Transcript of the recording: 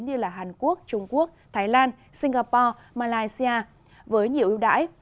như hàn quốc trung quốc thái lan singapore malaysia với nhiều ưu đãi